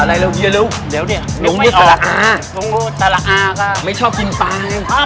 อะไรเร็วเร็วเดี๋ยวเนี่ยหนูไม่ออกหนูตลอดค่ะไม่ชอบกินปลาเนี่ย